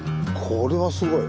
これはすごい。